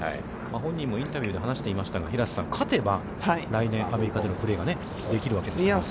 本人もインタビューで話していましたが、平瀬さん、勝てば、来年、アメリカでのプレーができるわけですから。